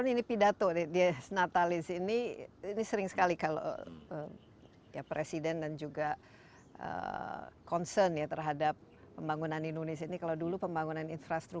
industri dan usaha dan dalam menyusun budget